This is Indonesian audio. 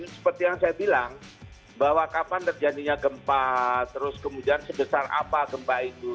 seperti yang saya bilang bahwa kapan terjadinya gempa terus kemudian sebesar apa gempa itu